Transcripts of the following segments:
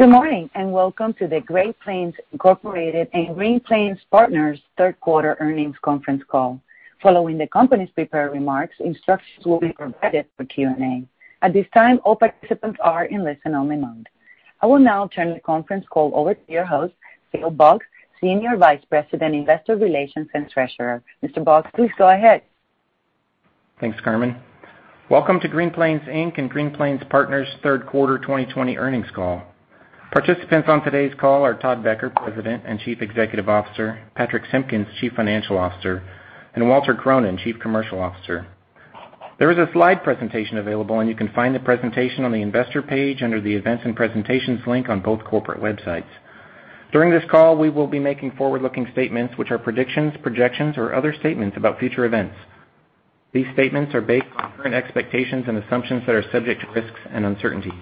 Good morning. Welcome to the Green Plains Inc and Green Plains Partners third quarter earnings conference call. Following the company's prepared remarks, instructions will be provided for Q&A. At this time, all participants are in listen-only mode. I will now turn the conference call over to your host, Phil Boggs, Senior Vice President, Investor Relations and Treasurer. Mr. Boggs, please go ahead. Thanks, Carmen. Welcome to Green Plains Inc. and Green Plains Partners third quarter 2020 earnings call. Participants on today's call are Todd Becker, President and Chief Executive Officer, Patrich Simpkins, Chief Financial Officer, and Walter Cronin, Chief Commercial Officer. There is a slide presentation available, and you can find the presentation on the investor page under the events and presentations link on both corporate websites. During this call, we will be making forward-looking statements, which are predictions, projections, or other statements about future events. These statements are based on current expectations and assumptions that are subject to risks and uncertainties.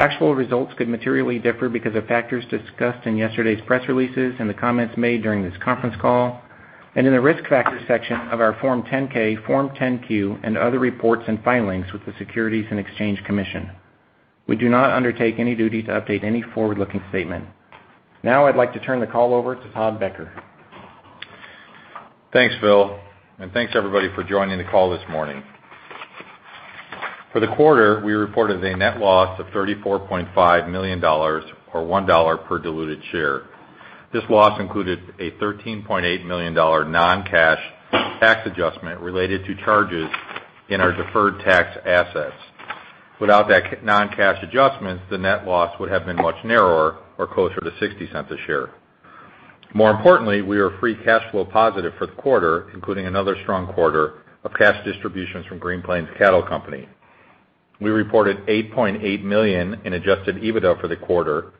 Factual results could materially differ because of factors discussed in yesterday's press releases and the comments made during this conference call, and in the risk factors section of our Form 10-K, Form 10-Q, and other reports and filings with the Securities and Exchange Commission. We do not undertake any duty to update any forward-looking statement. Now I'd like to turn the call over to Todd Becker. Thanks, Phil. Thanks, everybody, for joining the call this morning. For the quarter, we reported a net loss of $34.5 million, or $1 per diluted share. This loss included a $13.8 million non-cash tax adjustment related to charges in our deferred tax assets. Without that non-cash adjustment, the net loss would have been much narrower or closer to $0.60 a share. More importantly, we are free cash flow positive for the quarter, including another strong quarter of cash distributions from Green Plains Cattle Company. We reported $8.8 million in adjusted EBITDA for the quarter,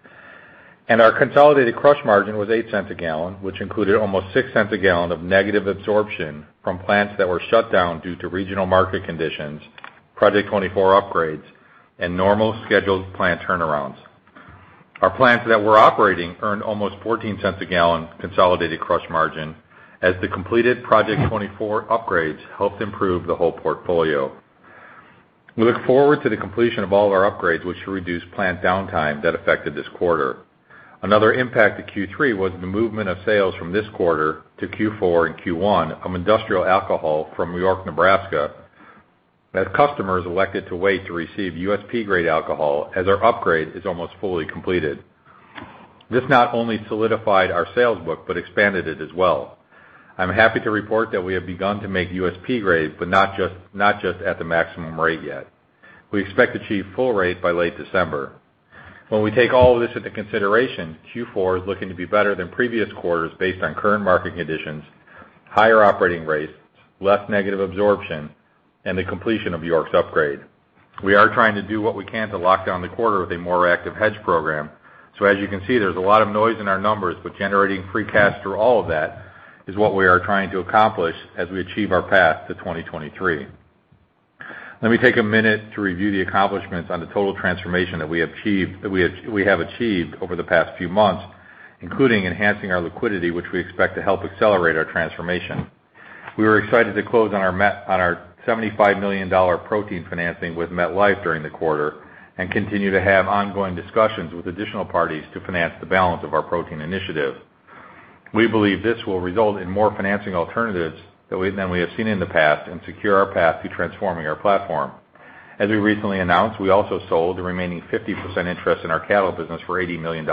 and our consolidated crush margin was $0.08 a gallon, which included almost $0.06 a gallon of negative absorption from plants that were shut down due to regional market conditions, Project 24 upgrades, and normal scheduled plant turnarounds. Our plants that were operating earned almost $0.14 a gallon consolidated crush margin as the completed Project 24 upgrades helped improve the whole portfolio. We look forward to the completion of all of our upgrades, which will reduce plant downtime that affected this quarter. Another impact to Q3 was the movement of sales from this quarter to Q4 and Q1 of industrial alcohol from York, Nebraska, as customers elected to wait to receive USP-grade alcohol as our upgrade is almost fully completed. This not only solidified our sales book, but expanded it as well. I'm happy to report that we have begun to make USP grade, but not just at the maximum rate yet. We expect to achieve full rate by late December. When we take all of this into consideration, Q4 is looking to be better than previous quarters based on current market conditions, higher operating rates, less negative absorption, and the completion of York's upgrade. We are trying to do what we can to lock down the quarter with a more active hedge program. As you can see, there's a lot of noise in our numbers, but generating free cash through all of that is what we are trying to accomplish as we achieve our path to 2023. Let me take a minute to review the accomplishments on the total transformation that we have achieved over the past few months, including enhancing our liquidity, which we expect to help accelerate our transformation. We were excited to close on our $75 million protein financing with MetLife during the quarter and continue to have ongoing discussions with additional parties to finance the balance of our protein initiative. We believe this will result in more financing alternatives than we have seen in the past and secure our path to transforming our platform. As we recently announced, we also sold the remaining 50% interest in our cattle business for $80 million.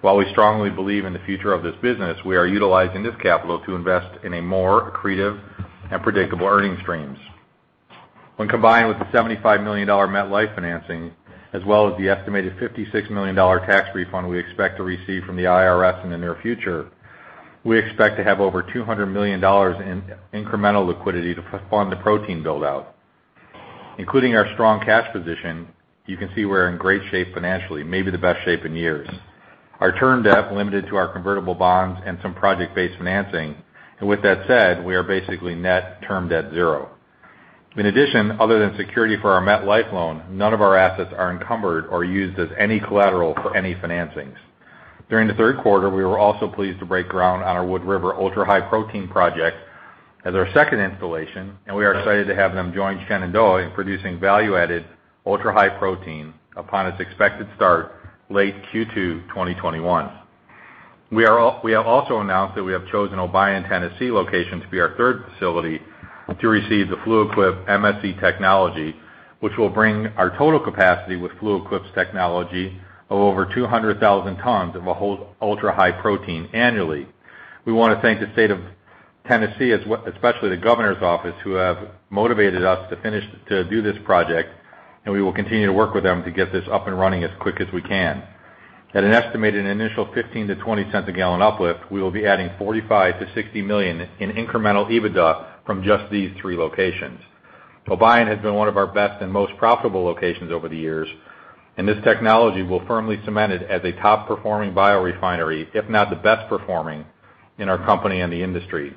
While we strongly believe in the future of this business, we are utilizing this capital to invest in a more accretive and predictable earnings streams. When combined with the $75 million MetLife financing, as well as the estimated $56 million tax refund we expect to receive from the IRS in the near future, we expect to have over $200 million in incremental liquidity to fund the protein build-out. Including our strong cash position, you can see we're in great shape financially, maybe the best shape in years. Our term debt limited to our convertible bonds and some project-based financing. With that said, we are basically net term debt zero. In addition, other than security for our MetLife loan, none of our assets are encumbered or used as any collateral for any financings. During the third quarter, we were also pleased to break ground on our Wood River ultra-high protein project as our second installation, and we are excited to have them join Shenandoah in producing value-added ultra-high protein upon its expected start, late Q2 2021. We have also announced that we have chosen Obion, Tennessee location to be our third facility to receive the Fluid Quip MSC technology, which will bring our total capacity with Fluid Quip's technology of over 200,000 tons of ultra-high protein annually. We want to thank the State of Tennessee, especially the Governor's office, who have motivated us to do this project, and we will continue to work with them to get this up and running as quick as we can. At an estimated initial $0.15-$0.20 a gallon uplift, we will be adding $45 million-$60 million in incremental EBITDA from just these three locations. Obion has been one of our best and most profitable locations over the years, and this technology will firmly cement it as a top-performing biorefinery, if not the best performing in our company and the industry.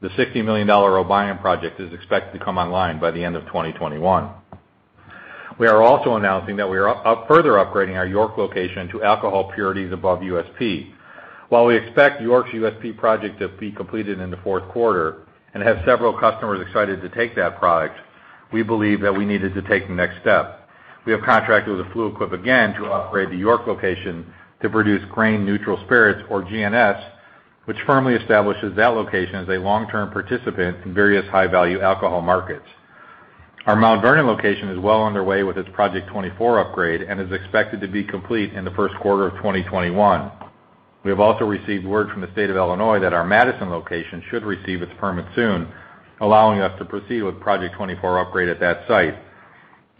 The $60 million Obion project is expected to come online by the end of 2021. We are also announcing that we are further upgrading our York to alcohol purities above USP. While we expect York's USP project to be completed in the fourth quarter and have several customers excited to take that product, we believe that we needed to take the next step. We have contracted with Fluid Quip again to operate the York to produce grain-neutral spirits, or GNS, which firmly establishes that location as a long-term participant in various high-value alcohol markets. Our Mount Vernon is well underway with its Project 24 upgrade and is expected to be complete in the first quarter of 2021. We have also received word from the state of Illinois that our Madison should receive its permit soon, allowing us to proceed with Project 24 upgrade at that site.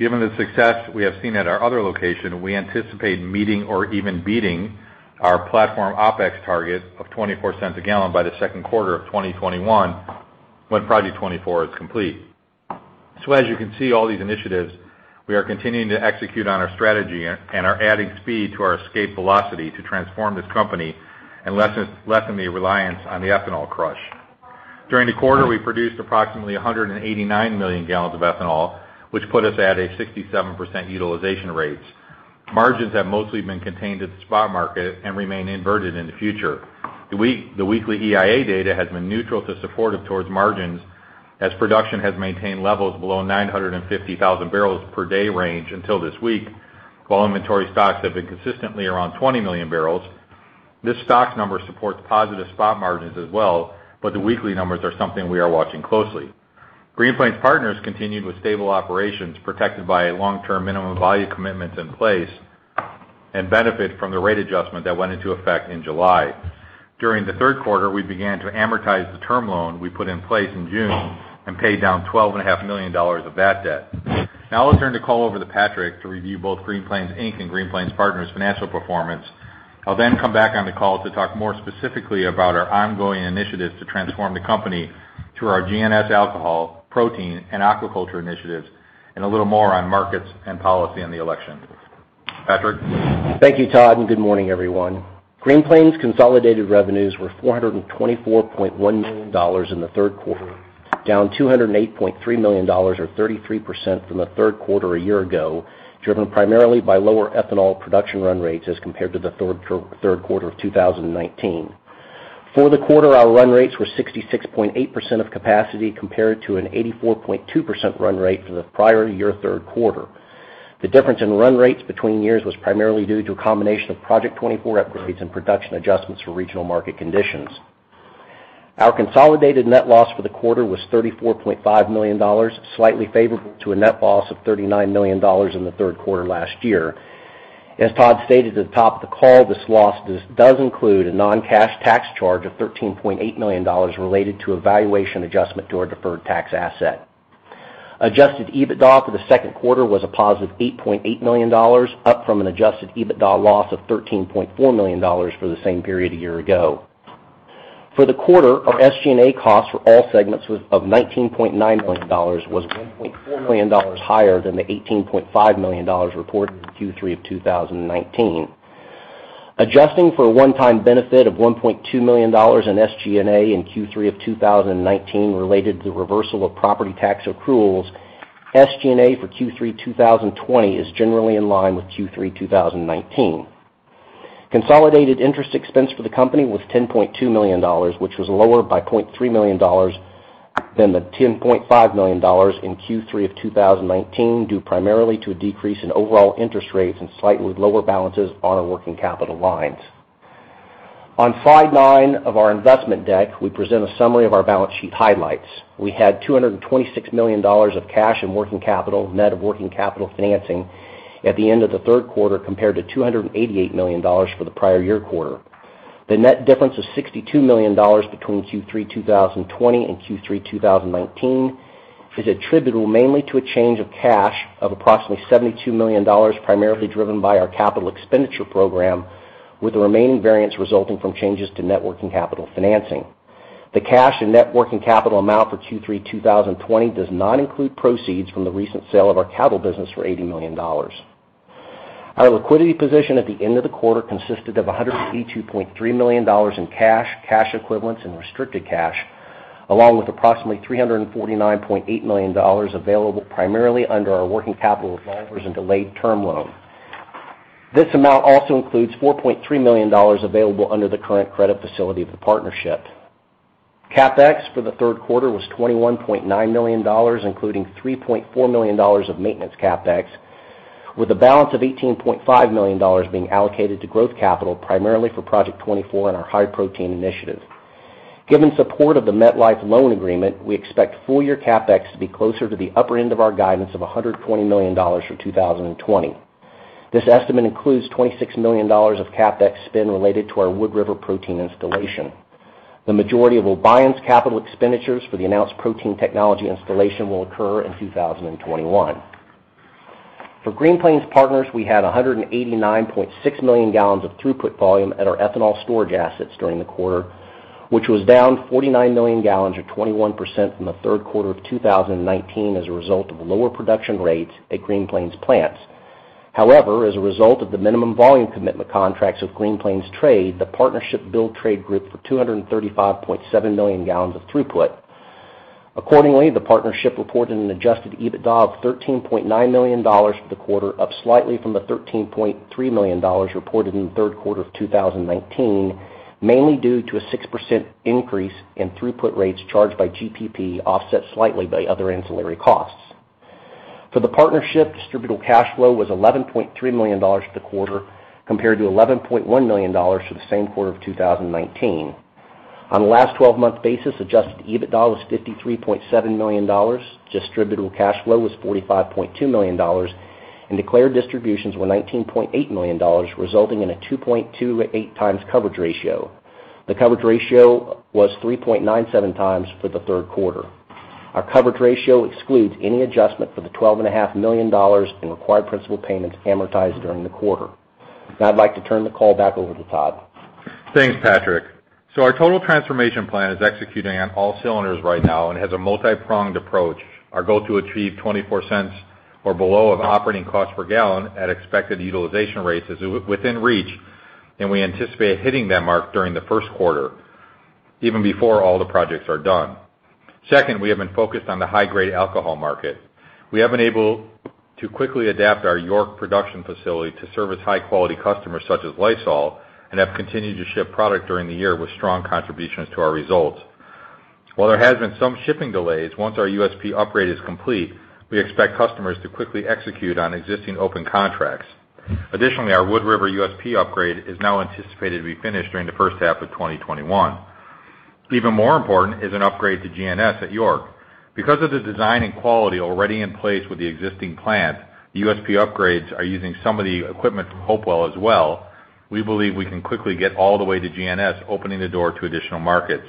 Given the success we have seen at our other location, we anticipate meeting or even beating our platform OpEx target of $0.24 a gallon by the second quarter of 2021 when Project 24 is complete. As you can see all these initiatives, we are continuing to execute on our strategy and are adding speed to our escape velocity to transform this company and lessen the reliance on the ethanol crush. During the quarter, we produced approximately 189 million gallons of ethanol, which put us at a 67% utilization rate. Margins have mostly been contained at the spot market and remain inverted in the future. The weekly EIA data has been neutral to supportive towards margins as production has maintained levels below 950,000 barrels per day range until this week, while inventory stocks have been consistently around 20 million barrels. This stock number supports positive spot margins as well, but the weekly numbers are something we are watching closely. Green Plains Partners continued with stable operations protected by long-term minimum value commitments in place and benefit from the rate adjustment that went into effect in July. During the third quarter, we began to amortize the term loan we put in place in June and paid down $12.5 million of that debt. I'll turn the call over to Patrich to review both Green Plains Inc and Green Plains Partners' financial performance. I'll then come back on the call to talk more specifically about our ongoing initiatives to transform the company through our GNS alcohol, protein, and aquaculture initiatives, and a little more on markets and policy in the election. Patrich? Thank you, Todd, and good morning, everyone. Green Plains' consolidated revenues were $424.1 million in the third quarter, down $208.3 million or 33% from the third quarter a year ago, driven primarily by lower ethanol production run rates as compared to the third quarter of 2019. For the quarter, our run rates were 66.8% of capacity compared to an 84.2% run rate for the prior year third quarter. The difference in run rates between years was primarily due to a combination of Project 24 upgrades and production adjustments for regional market conditions. Our consolidated net loss for the quarter was $34.5 million, slightly favorable to a net loss of $39 million in the third quarter last year. As Todd stated at the top of the call, this loss does include a non-cash tax charge of $13.8 million related to a valuation adjustment to our deferred tax asset. Adjusted EBITDA for the second quarter was a positive $8.8 million, up from an adjusted EBITDA loss of $13.4 million for the same period a year ago. For the quarter, our SG&A costs for all segments of $19.9 million was $1.4 million higher than the $18.5 million reported in Q3 of 2019. Adjusting for a one-time benefit of $1.2 million in SG&A in Q3 of 2019 related to the reversal of property tax accruals, SG&A for Q3 2020 is generally in line with Q3 2019. Consolidated interest expense for the company was $10.2 million, which was lower by $0.3 million than the $10.5 million in Q3 of 2019 due primarily to a decrease in overall interest rates and slightly lower balances on our working capital lines. On slide nine of our investment deck, we present a summary of our balance sheet highlights. We had $226 million of cash and working capital, net of working capital financing at the end of the third quarter, compared to $288 million for the prior year quarter. The net difference of $62 million between Q3 2020 and Q3 2019 is attributable mainly to a change of cash of approximately $72 million, primarily driven by our capital expenditure program, with the remaining variance resulting from changes to net working capital financing. The cash and net working capital amount for Q3 2020 does not include proceeds from the recent sale of our cattle business for $80 million. Our liquidity position at the end of the quarter consisted of $152.3 million in cash equivalents, and restricted cash, along with approximately $349.8 million available primarily under our working capital revolvers and delayed term loan. This amount also includes $4.3 million available under the current credit facility of the partnership. CapEx for the third quarter was $21.9 million, including $3.4 million of maintenance CapEx, with a balance of $18.5 million being allocated to growth capital primarily for Project 24 and our high-protein initiative. Given support of the MetLife loan agreement, we expect full-year CapEx to be closer to the upper end of our guidance of $120 million for 2020. This estimate includes $26 million of CapEx spend related to our Wood River protein installation. The majority of Obion's capital expenditures for the announced protein technology installation will occur in 2021. For Green Plains Partners, we had 189.6 million gallons of throughput volume at our ethanol storage assets during the quarter, which was down 49 million gallons or 21% from the third quarter of 2019 as a result of lower production rates at Green Plains plants. However, as a result of the minimum volume commitment contracts with Green Plains Trade, the partnership billed Trade Group for 235.7 million gallons of throughput. Accordingly, the partnership reported an adjusted EBITDA of $13.9 million for the quarter, up slightly from the $13.3 million reported in the third quarter of 2019, mainly due to a 6% increase in throughput rates charged by GPP, offset slightly by other ancillary costs. For the partnership, distributable cash flow was $11.3 million for the quarter, compared to $11.1 million for the same quarter of 2019. On a last 12-month basis, adjusted EBITDA was $53.7 million. Distributable cash flow was $45.2 million, and declared distributions were $19.8 million, resulting in a 2.28x coverage ratio. The coverage ratio was 3.97x for the third quarter. Our coverage ratio excludes any adjustment for the $12.5 million in required principal payments amortized during the quarter. Now I'd like to turn the call back over to Todd. Thanks, Patrich. Our total transformation plan is executing on all cylinders right now and has a multi-pronged approach. Our goal to achieve $0.24 or below of operating cost per gallon at expected utilization rates is within reach, and we anticipate hitting that mark during the first quarter, even before all the projects are done. Second, we have been focused on the high-grade alcohol market. We have been able to quickly adapt our York production facility to service high-quality customers such as Lysol, and have continued to ship product during the year with strong contributions to our results. While there has been some shipping delays, once our USP upgrade is complete, we expect customers to quickly execute on existing open contracts. Additionally, our Wood River USP upgrade is now anticipated to be finished during the first half of 2021. Even more important is an upgrade to GNS at York. Because of the design and quality already in place with the existing plant, the USP upgrades are using some of the equipment from Hopewell as well. We believe we can quickly get all the way to GNS, opening the door to additional markets.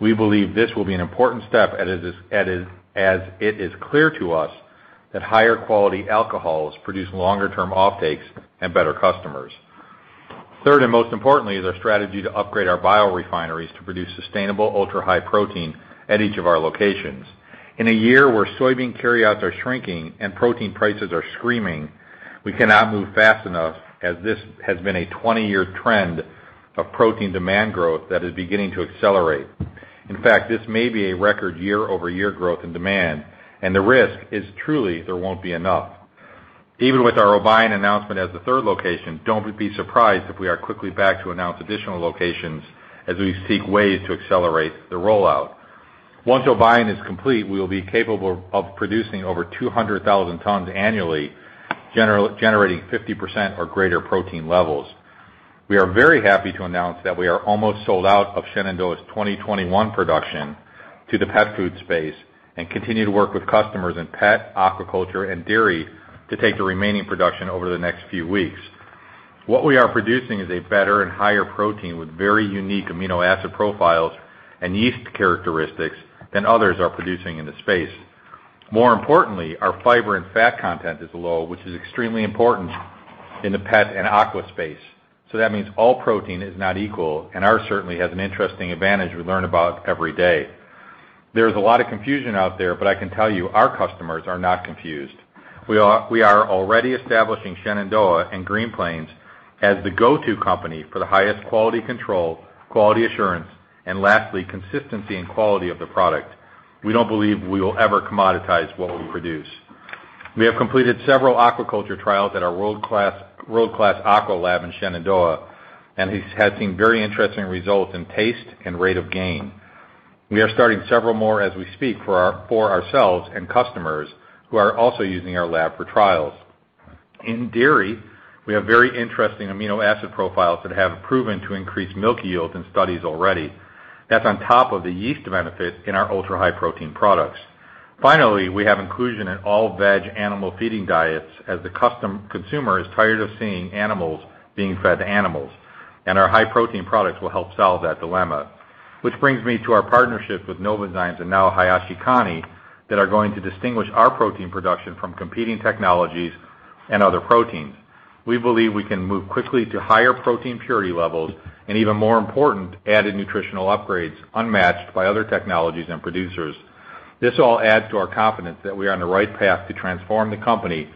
We believe this will be an important step as it is clear to us that higher quality alcohols produce longer term offtakes and better customers. Third, and most importantly, is our strategy to upgrade our biorefineries to produce sustainable ultra-high protein at each of our locations. In a year where soybean carryouts are shrinking and protein prices are screaming, we cannot move fast enough, as this has been a 20-year trend of protein demand growth that is beginning to accelerate. In fact, this may be a record year-over-year growth in demand, and the risk is truly there won't be enough. Even with our Obion announcement as the third location, don't be surprised if we are quickly back to announce additional locations as we seek ways to accelerate the rollout. Once Obion is complete, we will be capable of producing over 200,000 t annually, generating 50% or greater protein levels. We are very happy to announce that we are almost sold out of Shenandoah's 2021 production to the pet food space and continue to work with customers in pet, aquaculture, and dairy to take the remaining production over the next few weeks. What we are producing is a better and higher protein with very unique amino acid profiles and yeast characteristics than others are producing in the space. More importantly, our fiber and fat content is low, which is extremely important in the pet and aqua space. That means all protein is not equal, and ours certainly has an interesting advantage we learn about every day. There's a lot of confusion out there, but I can tell you our customers are not confused. We are already establishing Shenandoah and Green Plains as the go-to company for the highest quality control, quality assurance, and lastly, consistency and quality of the product. We don't believe we will ever commoditize what we produce. We have completed several aquaculture trials at our world-class aqua lab in Shenandoah, and have seen very interesting results in taste and rate of gain. We are starting several more as we speak for ourselves and customers who are also using our lab for trials. In dairy, we have very interesting amino acid profiles that have proven to increase milk yield in studies already. That's on top of the yeast benefit in our ultra-high protein products. Finally, we have inclusion in all veg animal feeding diets as the consumer is tired of seeing animals being fed to animals, and our high protein products will help solve that dilemma. Which brings me to our partnership with Novozymes and now Hayashikane that are going to distinguish our protein production from competing technologies and other proteins. We believe we can move quickly to higher protein purity levels and even more important, added nutritional upgrades unmatched by other technologies and producers. This all adds to our confidence that we are on the right path to transform the company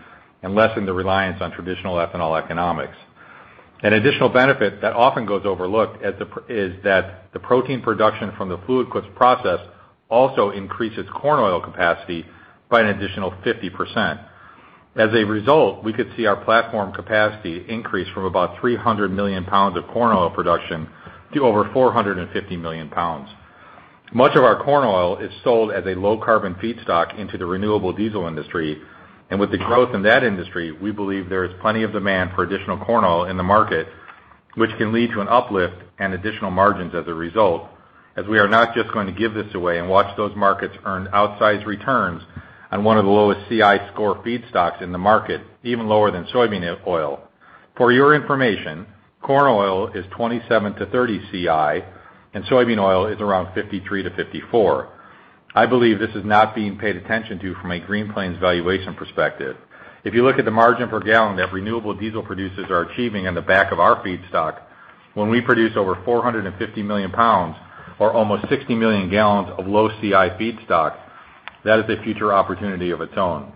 and lessen the reliance on traditional ethanol economics. An additional benefit that often goes overlooked is that the protein production from the Fluid Quip process also increases corn oil capacity by an additional 50%. As a result, we could see our platform capacity increase from about 300 million pounds of corn oil production to over 450 million pounds. Much of our corn oil is sold as a low-carbon feedstock into the renewable diesel industry, and with the growth in that industry, we believe there is plenty of demand for additional corn oil in the market, which can lead to an uplift and additional margins as a result, as we are not just going to give this away and watch those markets earn outsized returns on one of the lowest CI score feedstocks in the market, even lower than soybean oil. For your information, corn oil is 27 CI-30 CI and soybean oil is around 53 CI-54 CI. I believe this is not being paid attention to from a Green Plains valuation perspective. If you look at the margin per gallon that renewable diesel producers are achieving on the back of our feedstock, when we produce over 450 million pounds or almost 60 million gallons of low CI feedstock, that is a future opportunity of its own.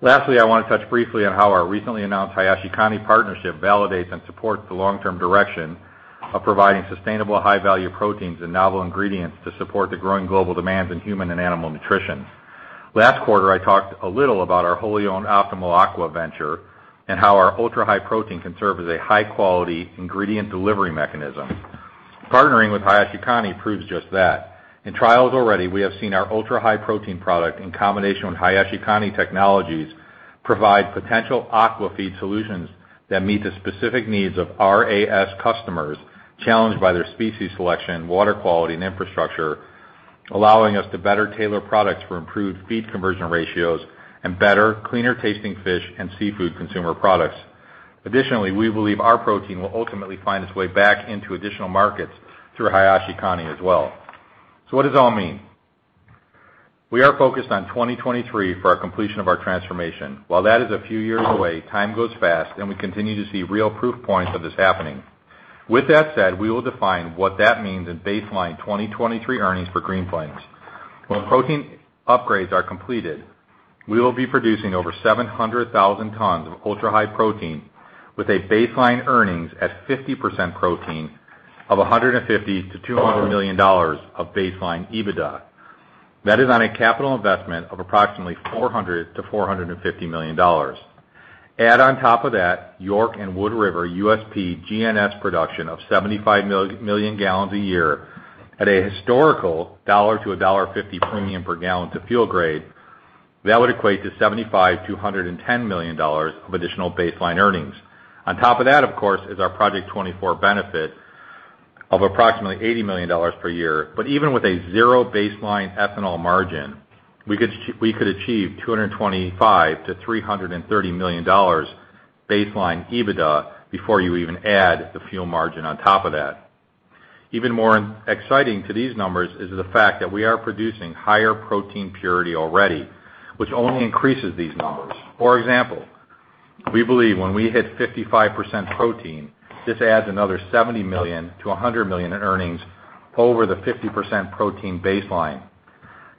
Lastly, I want to touch briefly on how our recently announced Hayashikane partnership validates and supports the long-term direction of providing sustainable high-value proteins and novel ingredients to support the growing global demands in human and animal nutrition. Last quarter, I talked a little about our wholly owned Optimal Aquafeed and how our ultra-high protein can serve as a high-quality ingredient delivery mechanism. Partnering with Hayashikane proves just that. In trials already, we have seen our ultra-high protein product in combination with Hayashikane technologies provide potential aqua feed solutions that meet the specific needs of RAS customers challenged by their species selection, water quality, and infrastructure, allowing us to better tailor products for improved feed conversion ratios and better, cleaner-tasting fish and seafood consumer products. Additionally, we believe our protein will ultimately find its way back into additional markets through Hayashikane as well. What does it all mean? We are focused on 2023 for our completion of our transformation. While that is a few years away, time goes fast, and we continue to see real proof points of this happening. With that said, we will define what that means in baseline 2023 earnings for Green Plains. When protein upgrades are completed, we will be producing over 700,000 t of ultra-high protein with a baseline earnings at 50% protein of $150 million-$200 million of baseline EBITDA. That is on a capital investment of approximately $400 million-$450 million. Add on top of that, York and Wood River USP GNS production of 75 million gallons a year at a historical $1-$1.50 premium per gallon to fuel grade. That would equate to $75 million-$110 million of additional baseline earnings. On top of that, of course, is our Project 24 benefit of approximately $80 million per year. Even with a zero baseline ethanol margin, we could achieve $225 million-$330 million baseline EBITDA before you even add the fuel margin on top of that. Even more exciting to these numbers is the fact that we are producing higher protein purity already, which only increases these numbers. For example, we believe when we hit 55% protein, this adds another $70 million-$100 million in earnings over the 50% protein baseline.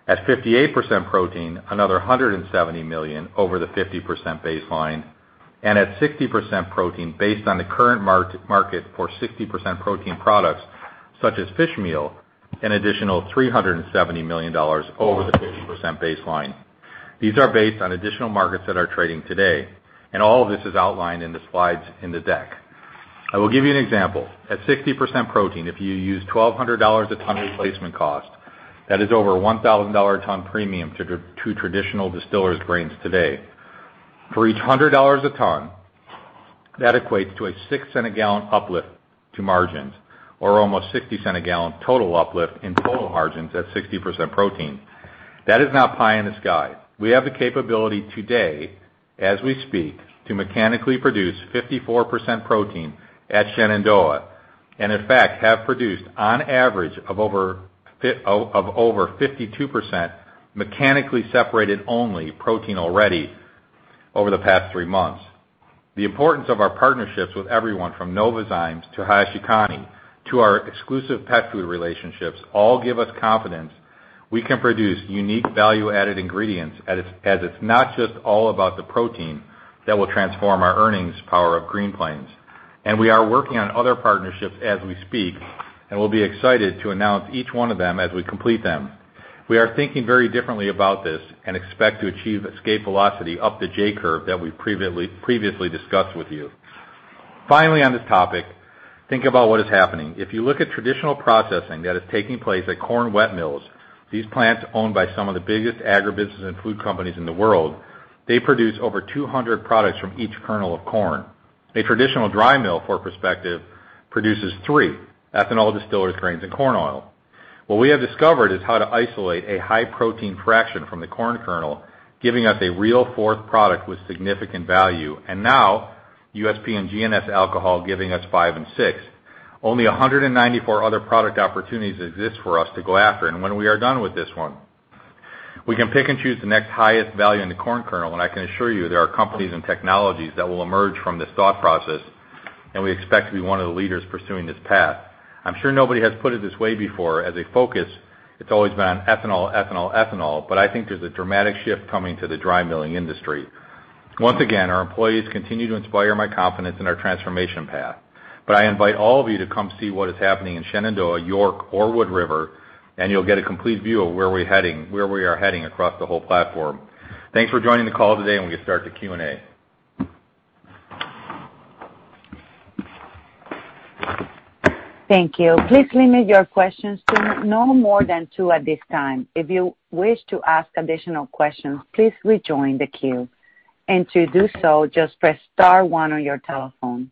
At 58% protein, another $170 million over the 50% baseline. At 60% protein, based on the current market for 60% protein products such as fish meal, an additional $370 million over the 50% baseline. These are based on additional markets that are trading today, and all of this is outlined in the slides in the deck. I will give you an example. At 60% protein, if you use $1,200 a ton replacement cost, that is over $1,000 a ton premium to traditional distillers' grains today. For each $100 a ton, that equates to a $0.06 a gallon uplift to margins or almost $0.60 a gallon total uplift in total margins at 60% protein. That is not pie in the sky. We have the capability today, as we speak, to mechanically produce 54% protein at Shenandoah, and in fact, have produced on average of over 52% mechanically separated only protein already over the past three months. The importance of our partnerships with everyone from Novozymes to Hayashikane to our exclusive pet food relationships all give us confidence we can produce unique value-added ingredients as it's not just all about the protein that will transform our earnings power of Green Plains. We are working on other partnerships as we speak, and we'll be excited to announce each one of them as we complete them. We are thinking very differently about this and expect to achieve escape velocity up the J-curve that we previously discussed with you. Finally, on this topic, think about what is happening. If you look at traditional processing that is taking place at corn wet mills, these plants owned by some of the biggest agribusiness and food companies in the world, they produce over 200 products from each kernel of corn. A traditional dry mill, for perspective, produces three: ethanol, distillers' grains, and corn oil. What we have discovered is how to isolate a high protein fraction from the corn kernel, giving us a real fourth product with significant value. Now, USP and GNS alcohol giving us five and six. Only 194 other product opportunities exist for us to go after and when we are done with this one. We can pick and choose the next highest value in the corn kernel, and I can assure you there are companies and technologies that will emerge from this thought process, and we expect to be one of the leaders pursuing this path. I'm sure nobody has put it this way before as a focus. It's always been on ethanol, ethanol, but I think there's a dramatic shift coming to the dry milling industry. Once again, our employees continue to inspire my confidence in our transformation path. I invite all of you to come see what is happening in Shenandoah, York, or Wood River, and you'll get a complete view of where we are heading across the whole platform. Thanks for joining the call today, and we can start the Q&A. Thank you. Please limit your questions to no more than two at this time. If you wish to ask additional questions, please rejoin the queue. To do so, just press star one on your telephone.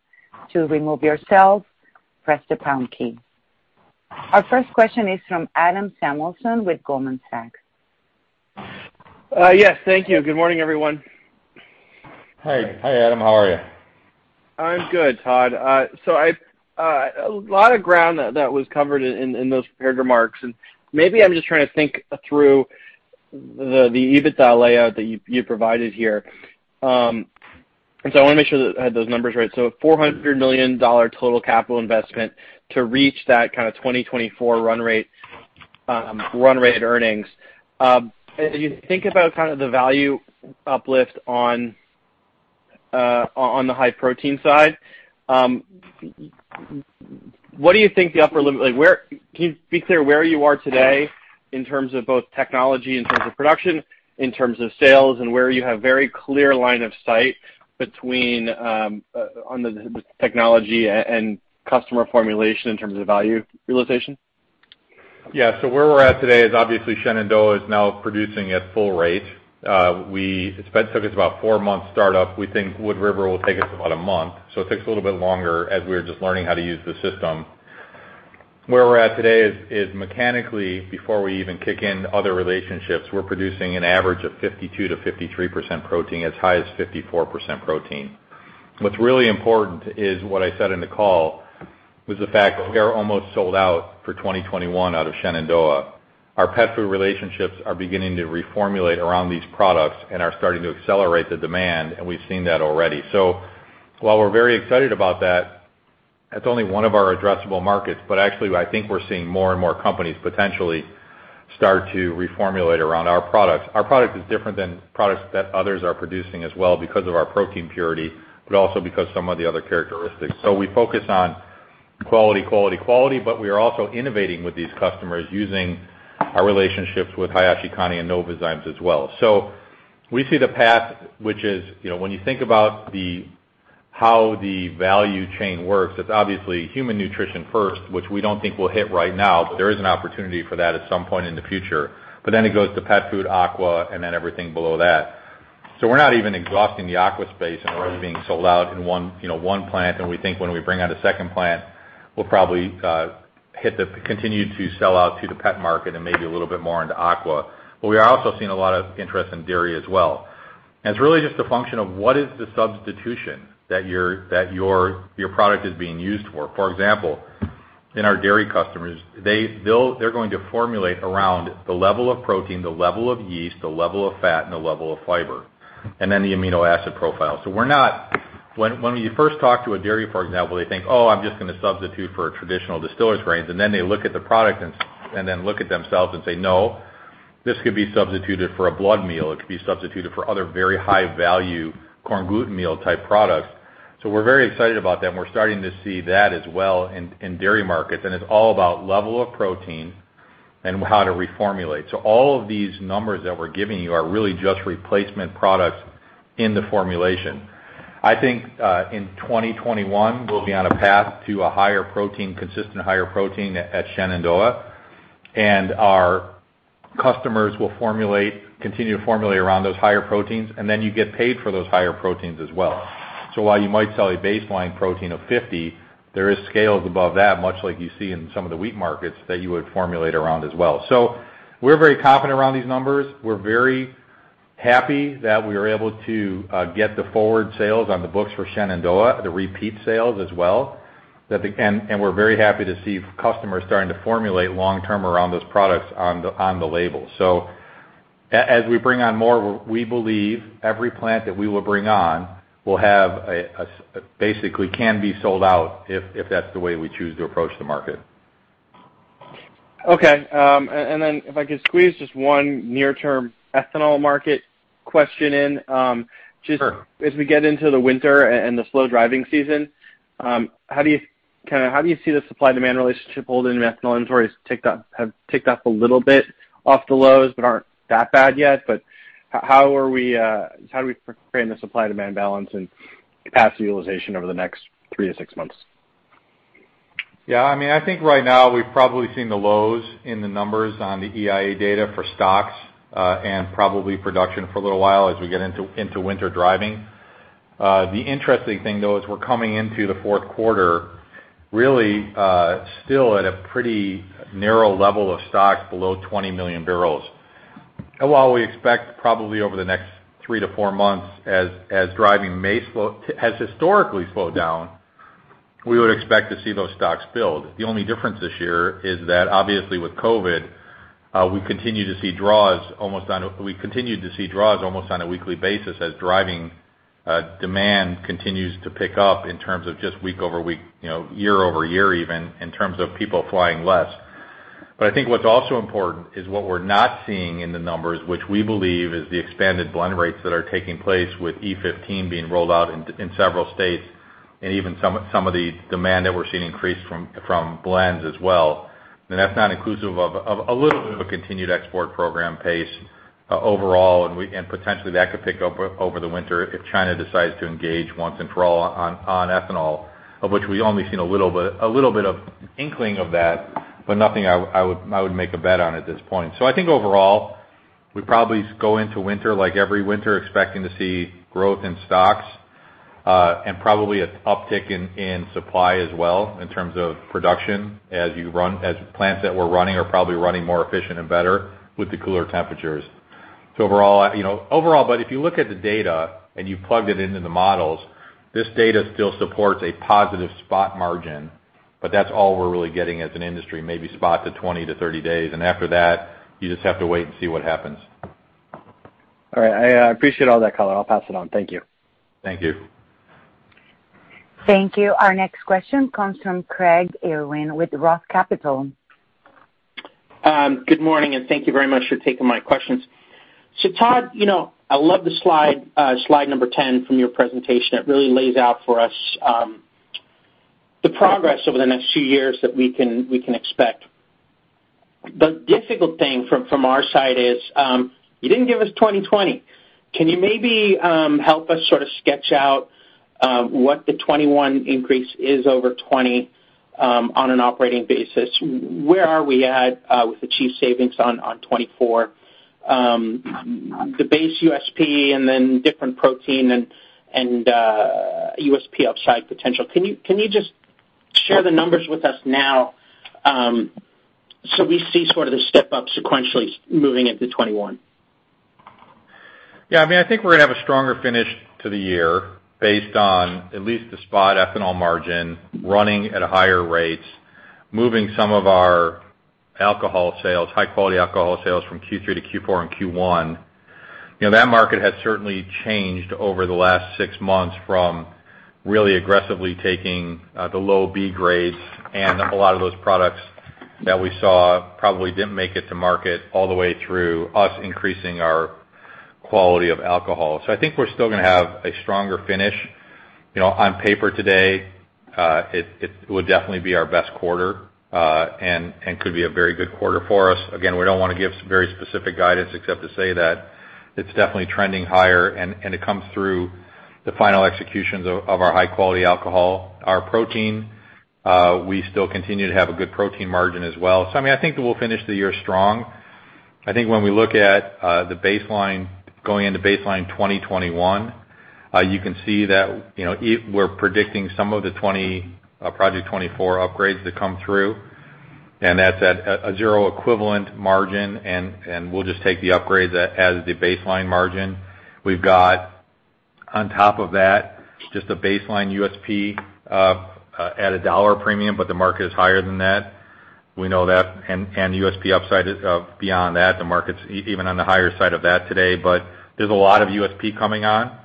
To remove yourself, press the pound key. Our first question is from Adam Samuelson with Goldman Sachs. Yes, thank you. Good morning everyone. Hi. Hi, Adam. How are you? I'm good, Todd. A lot of ground that was covered in those prepared remarks, and maybe I'm just trying to think through the EBITDA layout that you provided here. I want to make sure that I have those numbers right. $400 million total capital investment to reach that kind of 2024 run rate earnings. As you think about the value uplift on the high protein side, can you be clear where you are today in terms of both technology, in terms of production, in terms of sales, and where you have very clear line of sight between on the technology and customer formulation in terms of value realization? Yeah. Where we're at today is obviously Shenandoah is now producing at full rate. It took us about four months startup. We think Wood River will take us about a month, so it takes a little bit longer as we are just learning how to use the system. Where we're at today is mechanically, before we even kick in other relationships, we're producing an average of 52%-53% protein, as high as 54% protein. What's really important is what I said in the call, was the fact that we are almost sold out for 2021 out of Shenandoah. Our pet food relationships are beginning to reformulate around these products and are starting to accelerate the demand, and we've seen that already. While we're very excited about that's only one of our addressable markets. Actually, I think we're seeing more and more companies potentially start to reformulate around our products. Our product is different than products that others are producing as well because of our protein purity, but also because some of the other characteristics. We focus on quality, quality, but we are also innovating with these customers using our relationships with Hayashikane and Novozymes as well. We see the path, which is when you think about how the value chain works, it's obviously human nutrition first, which we don't think we'll hit right now, but there is an opportunity for that at some point in the future. Then it goes to pet food, aqua, and then everything below that. We're not even exhausting the aqua space and already being sold out in one plant, and we think when we bring on a second plant, we'll probably continue to sell out to the pet market and maybe a little bit more into aqua. We are also seeing a lot of interest in dairy as well. It's really just a function of what is the substitution that your product is being used for. For example, in our dairy customers, they're going to formulate around the level of protein, the level of yeast, the level of fat, and the level of fiber, and then the amino acid profile. When you first talk to a dairy, for example, they think, "Oh, I'm just going to substitute for a traditional distillers grains." They look at the product and then look at themselves and say, "No, this could be substituted for a blood meal." It could be substituted for other very high-value corn gluten meal type products. We're very excited about that, and we're starting to see that as well in dairy markets. It's all about level of protein and how to reformulate. All of these numbers that we're giving you are really just replacement products in the formulation. I think, in 2021, we'll be on a path to a higher protein, consistent higher protein at Shenandoah, and our customers will continue to formulate around those higher proteins, and then you get paid for those higher proteins as well. While you might sell a baseline protein of 50, there is scales above that, much like you see in some of the wheat markets that you would formulate around as well. We're very confident around these numbers. We're very happy that we are able to get the forward sales on the books for Shenandoah, the repeat sales as well. We're very happy to see customers starting to formulate long-term around those products on the label. As we bring on more, we believe every plant that we will bring on basically can be sold out if that's the way we choose to approach the market. Okay. If I could squeeze just one near term ethanol market question in. Sure. As we get into the winter and the slow driving season, how do you see the supply-demand relationship holding? Ethanol inventories have ticked up a little bit off the lows, but aren't that bad yet. How do we frame the supply-demand balance and capacity utilization over the next three to six months? Yeah, I think right now we've probably seen the lows in the numbers on the EIA data for stocks, and probably production for a little while as we get into winter driving. The interesting thing, though, is we're coming into the fourth quarter really still at a pretty narrow level of stocks below 20 million barrels. While we expect probably over the next three to four months as driving has historically slowed down, we would expect to see those stocks build. The only difference this year is that obviously with COVID, we continued to see draws almost on a weekly basis as driving demand continues to pick up in terms of just week-over-week, year-over-year even, in terms of people flying less. I think what's also important is what we're not seeing in the numbers, which we believe is the expanded blend rates that are taking place with E15 being rolled out in several states, and even some of the demand that we're seeing increase from blends as well. That's not inclusive of a little of a continued export program pace overall, and potentially that could pick up over the winter if China decides to engage once and for all on ethanol, of which we only seen a little bit of inkling of that, but nothing I would make a bet on at this point. I think overall, we probably go into winter like every winter, expecting to see growth in stocks, and probably an uptick in supply as well in terms of production as plants that were running are probably running more efficient and better with the cooler temperatures. Overall, if you look at the data and you plugged it into the models, this data still supports a positive spot margin. That's all we're really getting as an industry, maybe spot to 20 to 30 days, and after that, you just have to wait and see what happens. All right. I appreciate all that color. I'll pass it on. Thank you. Thank you. Thank you. Our next question comes from Craig Irwin with Roth Capital. Good morning, and thank you very much for taking my questions. Todd, I love the slide number 10 from your presentation. It really lays out for us the progress over the next few years that we can expect. The difficult thing from our side is, you didn't give us 2020. Can you maybe help us sort of sketch out what the 2021 increase is over 2020, on an operating basis? Where are we at with the achieved savings on 2024? The base USP and then different protein and USP upside potential. Can you just share the numbers with us now so we see sort of the step up sequentially moving into 2021? I think we're going to have a stronger finish to the year based on at least the spot ethanol margin running at higher rates, moving some of our high-quality alcohol sales from Q3 to Q4 and Q1. That market has certainly changed over the last six months from really aggressively taking the low B grades and a lot of those products that we saw probably didn't make it to market all the way through us increasing our quality of alcohol. I think we're still going to have a stronger finish. On paper today, it would definitely be our best quarter, and could be a very good quarter for us. Again, we don't want to give very specific guidance except to say that it's definitely trending higher and it comes through the final executions of our high-quality alcohol. Our protein, we still continue to have a good protein margin as well. I think that we'll finish the year strong. I think when we look at going into baseline 2021, you can see that we're predicting some of the Project 24 upgrades that come through, and that's at a zero equivalent margin, and we'll just take the upgrade as the baseline margin. We've got on top of that, just a baseline USP at a $1 premium, but the market is higher than that. We know that. USP upside beyond that, the market's even on the higher side of that today. There's a lot of USP coming on.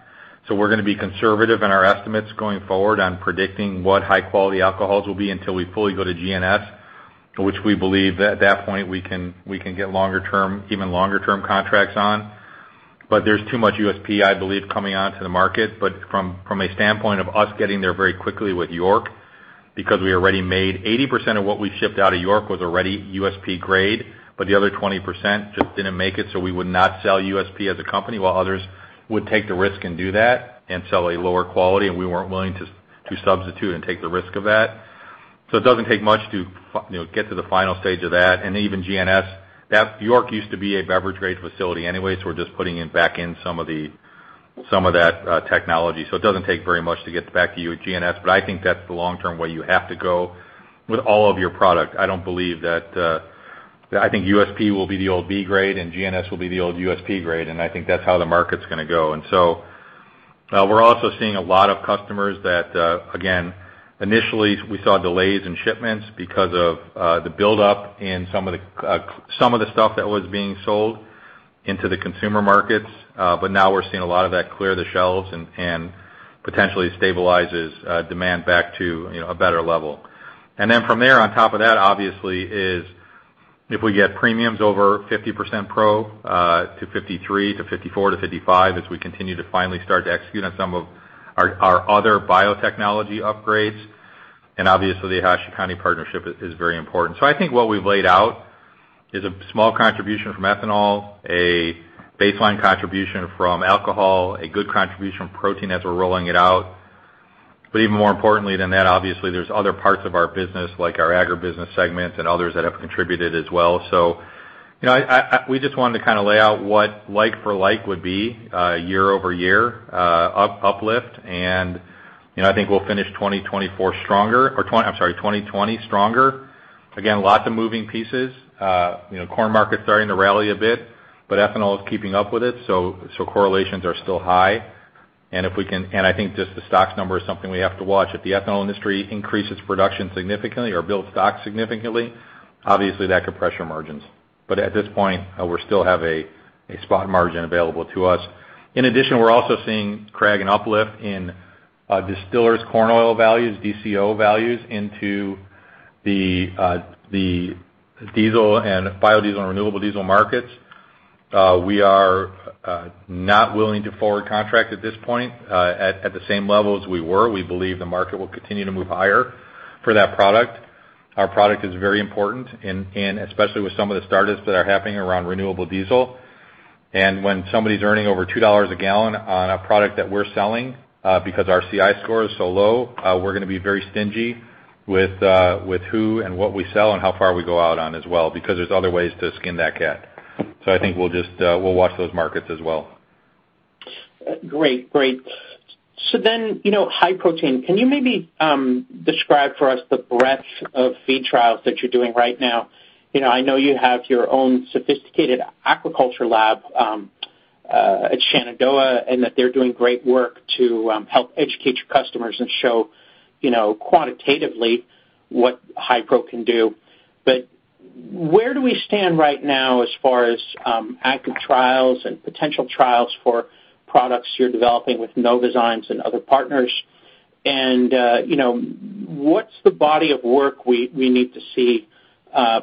We're going to be conservative in our estimates going forward on predicting what high-quality alcohols will be until we fully go to GNS, which we believe at that point, we can get even longer-term contracts on. There's too much USP, I believe, coming onto the market. From a standpoint of us getting there very quickly with York, because 80% of what we shipped out of York was already USP grade, but the other 20% just didn't make it, so we would not sell USP as a company while others would take the risk and do that and sell a lower quality, and we weren't willing to substitute and take the risk of that. It doesn't take much to get to the final stage of that. Even GNS. York used to be a beverage grade facility anyway, so we're just putting back in some of that technology. It doesn't take very much to get back to GNS, but I think that's the long term way you have to go with all of your product. I think USP will be the old B grade and GNS will be the old USP grade, and I think that's how the market's going to go. We're also seeing a lot of customers that, again, initially we saw delays in shipments because of the buildup in some of the stuff that was being sold into the consumer markets. Now we're seeing a lot of that clear the shelves and potentially stabilizes demand back to a better level. From there, on top of that, obviously, is if we get premiums over 50% pro, to 53%, to 54%, to 55%, as we continue to finally start to execute on some of our other biotechnology upgrades. Obviously the Hayashikane partnership is very important. I think what we've laid out is a small contribution from ethanol, a baseline contribution from alcohol, a good contribution from protein as we're rolling it out. Even more importantly than that, obviously, there's other parts of our business, like our agribusiness segments and others that have contributed as well. We just wanted to lay out what like-for-like would be year-over-year uplift. I think we'll finish 2020 stronger. Again, lots of moving pieces. Corn market's starting to rally a bit, but ethanol is keeping up with it, so correlations are still high. I think just the stocks number is something we have to watch. If the ethanol industry increases production significantly or builds stocks significantly, obviously that could pressure margins. At this point, we still have a spot margin available to us. In addition, we're also seeing, Craig, an uplift in distillers corn oil values, DCO values, into the diesel and biodiesel and renewable diesel markets. We are not willing to forward contract at this point at the same level as we were. We believe the market will continue to move higher for that product. Our product is very important and especially with some of the startups that are happening around renewable diesel. When somebody's earning over $2 a gallon on a product that we're selling because our CI score is so low, we're going to be very stingy with who and what we sell and how far we go out on as well, because there's other ways to skin that cat. I think we'll watch those markets as well. Great. High protein. Can you maybe describe for us the breadth of feed trials that you're doing right now? I know you have your own sophisticated aquaculture lab at Shenandoah, and that they're doing great work to help educate your customers and show quantitatively what HyPro can do. Where do we stand right now as far as active trials and potential trials for products you're developing with Novozymes and other partners? What's the body of work we need to see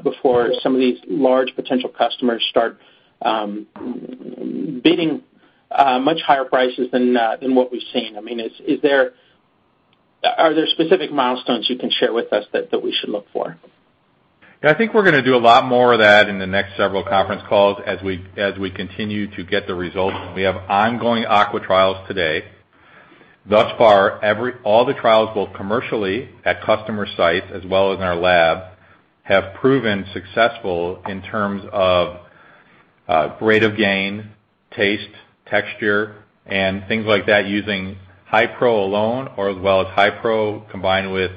before some of these large potential customers start bidding much higher prices than what we've seen? Are there specific milestones you can share with us that we should look for? Yeah, I think we're going to do a lot more of that in the next several conference calls as we continue to get the results. We have ongoing aqua trials today. Thus far, all the trials, both commercially at customer sites as well as in our lab, have proven successful in terms of rate of gain, taste, texture, and things like that using HyPro alone or as well as HyPro combined with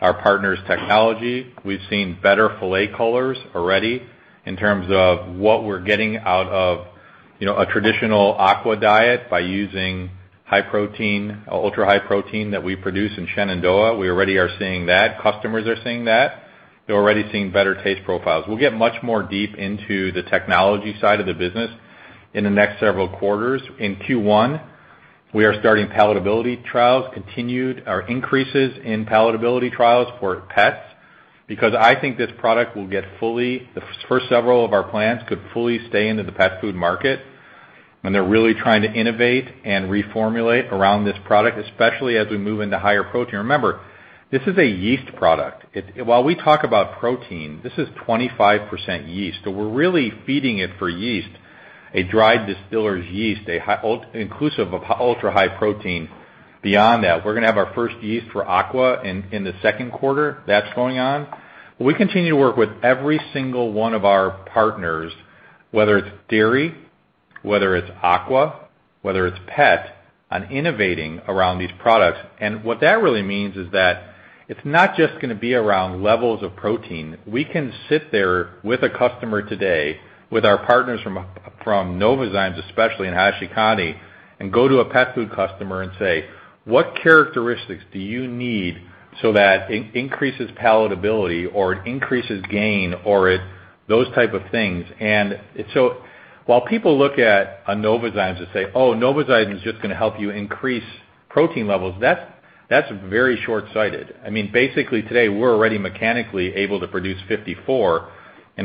our partners' technology. We've seen better fillet colors already in terms of what we're getting out of a traditional aqua diet by using high protein, ultra high protein that we produce in Shenandoah. We already are seeing that. Customers are seeing that. They're already seeing better taste profiles. We'll get much more deep into the technology side of the business in the next several quarters. In Q1, we are starting palatability trials, continued our increases in palatability trials for pets, because I think this product will get the first several of our plants could fully stay into the pet food market when they're really trying to innovate and reformulate around this product, especially as we move into higher protein. Remember, this is a yeast product. While we talk about protein, this is 25% yeast. We're really feeding it for yeast, a dried distillers yeast, inclusive of ultra-high protein. Beyond that, we're going to have our first yeast for aqua in the second quarter. That's going on. We continue to work with every single one of our partners, whether it's dairy, whether it's aqua, whether it's pet, on innovating around these products. What that really means is that it's not just going to be around levels of protein. We can sit there with a customer today, with our partners from Novozymes, especially in Hayashikane, and go to a pet food customer and say, "What characteristics do you need so that it increases palatability or it increases gain or those type of things?" While people look at Novozymes and say, "Oh, Novozymes is just going to help you increase protein levels," that's very short-sighted. Basically today, we're already mechanically able to produce 54%.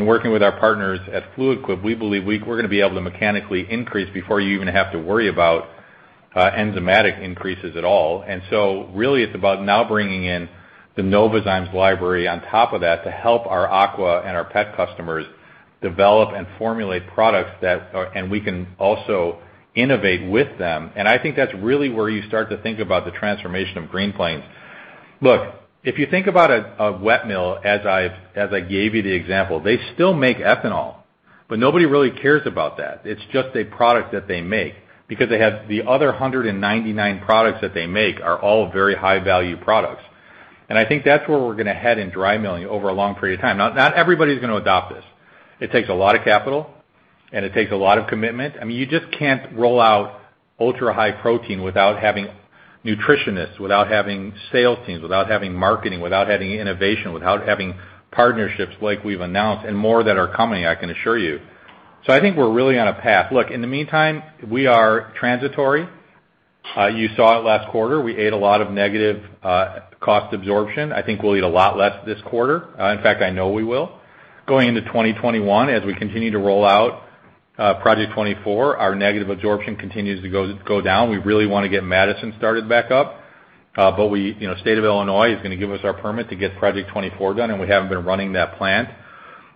Working with our partners at Fluid Quip, we believe we're going to be able to mechanically increase before you even have to worry about enzymatic increases at all. Really, it's about now bringing in the Novozymes library on top of that to help our aqua and our pet customers develop and formulate products, and we can also innovate with them. I think that's really where you start to think about the transformation of Green Plains. Look, if you think about a wet mill, as I gave you the example, they still make ethanol, but nobody really cares about that. It's just a product that they make because they have the other 199 products that they make are all very high-value products. I think that's where we're going to head in dry milling over a long period of time. Not everybody's going to adopt this. It takes a lot of capital, and it takes a lot of commitment. You just can't roll out ultra-high protein without having nutritionists, without having sales teams, without having marketing, without having innovation, without having partnerships like we've announced, and more that are coming, I can assure you. I think we're really on a path. Look, in the meantime, we are transitory. You saw it last quarter. We ate a lot of negative cost absorption. I think we'll eat a lot less this quarter. In fact, I know we will. Going into 2021, as we continue to roll out Project 24, our negative absorption continues to go down. We really want to get Madison started back up. State of Illinois is going to give us our permit to get Project 24 done, and we haven't been running that plant.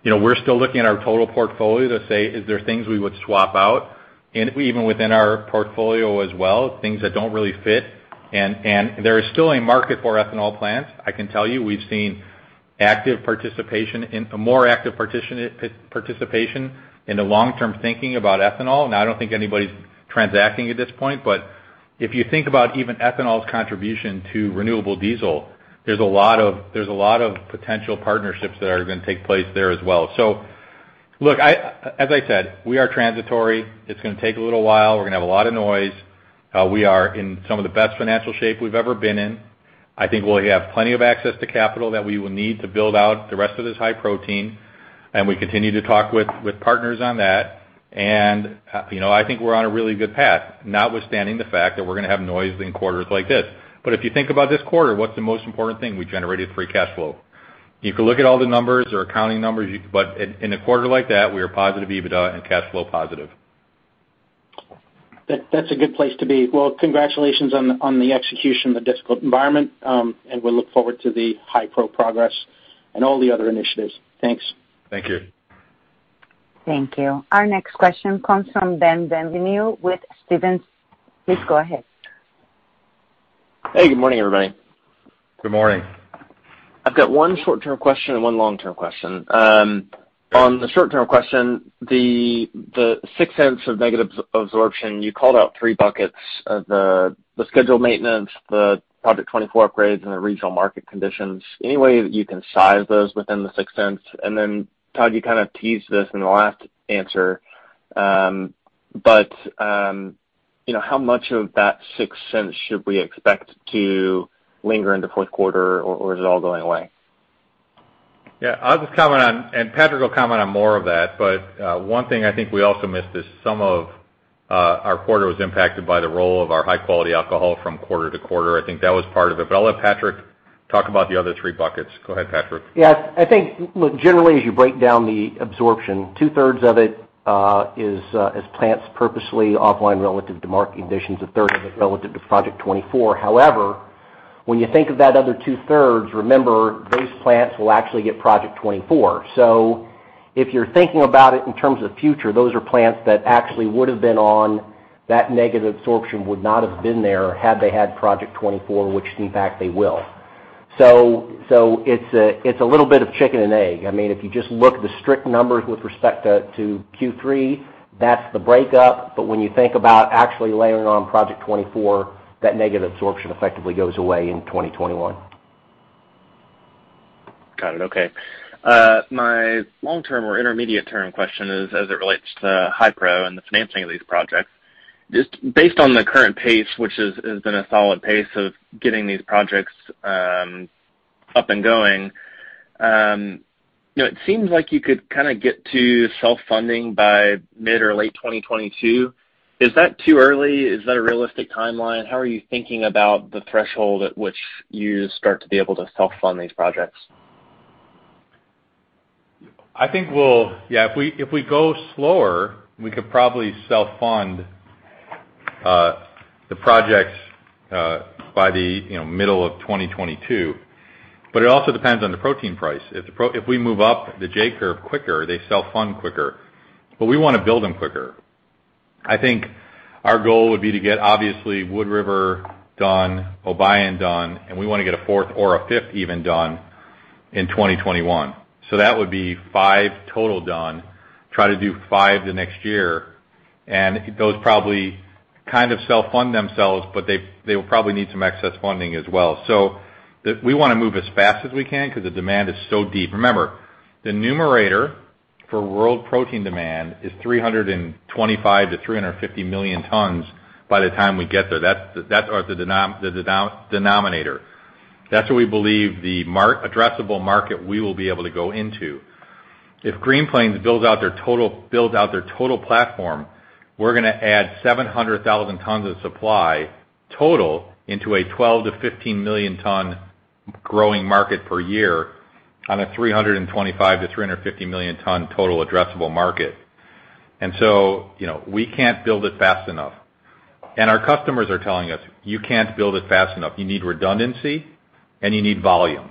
We're still looking at our total portfolio to say, is there things we would swap out? Even within our portfolio as well, things that don't really fit. There is still a market for ethanol plants. I can tell you we've seen more active participation in the long-term thinking about ethanol. I don't think anybody's transacting at this point, but if you think about even ethanol's contribution to renewable diesel, there's a lot of potential partnerships that are going to take place there as well. Look, as I said, we are transitory. It's going to take a little while. We're going to have a lot of noise. We are in some of the best financial shape we've ever been in. I think we'll have plenty of access to capital that we will need to build out the rest of this high protein. We continue to talk with partners on that. I think we're on a really good path, notwithstanding the fact that we're going to have noise in quarters like this. If you think about this quarter, what's the most important thing? We generated free cash flow. You can look at all the numbers or accounting numbers, but in a quarter like that, we are positive EBITDA and cash flow positive. That's a good place to be. Well, congratulations on the execution of a difficult environment, and we'll look forward to the HyPro progress and all the other initiatives. Thanks. Thank you. Thank you. Our next question comes from Ben Bienvenu with Stephens. Please go ahead. Hey, good morning, everybody. Good morning. I've got one short-term question and one long-term question. On the short-term question, the $0.06 of negative absorption, you called out three buckets, the scheduled maintenance, the Project 24 upgrades, and the regional market conditions. Any way that you can size those within the $0.06? Todd, you kind of teased this in the last answer. How much of that $0.06 should we expect to linger in the fourth quarter, or is it all going away? Yeah. I'll just comment on, and Patrich will comment on more of that, but, one thing I think we also missed is some of our quarter was impacted by the roll of our high-quality alcohol from quarter to quarter. I think that was part of it. I'll let Patrich talk about the other three buckets. Go ahead, Patrich. Yes. I think, look, generally, as you break down the absorption, 2/3 of it is plants purposely offline relative to market conditions, a 1/3 of it relative to Project 24. When you think of that other two-thirds, remember, those plants will actually get Project 24. If you're thinking about it in terms of future, those are plants that actually would've been on, that negative absorption would not have been there had they had Project 24, which in fact, they will. It's a little bit of chicken and egg. If you just look at the strict numbers with respect to Q3, that's the breakup. When you think about actually layering on Project 24, that negative absorption effectively goes away in 2021. Got it. Okay. My long-term or intermediate-term question is as it relates to HyPro and the financing of these projects. Just based on the current pace, which has been a solid pace of getting these projects up and going, it seems like you could get to self-funding by mid or late 2022. Is that too early? Is that a realistic timeline? How are you thinking about the threshold at which you start to be able to self-fund these projects? If we go slower, we could probably self-fund the projects by the middle of 2022, but it also depends on the protein price. If we move up the J curve quicker, they self-fund quicker. We want to build them quicker. I think our goal would be to get, obviously, Wood River done, Obion done, and we want to get a fourth or a fifth even done in 2021. That would be five total done, try to do five the next year. Those probably kind of self-fund themselves, they will probably need some excess funding as well. We want to move as fast as we can because the demand is so deep. Remember, the numerator for world protein demand is 325 million tons-350 million tons by the time we get there. That's the denominator. That's what we believe the addressable market we will be able to go into. If Green Plains builds out their total platform, we're going to add 700,000 t of supply total into a 12 million ton-15 million ton growing market per year on a 325 million ton-350 million ton total addressable market. We can't build it fast enough. Our customers are telling us, "You can't build it fast enough. You need redundancy and you need volume."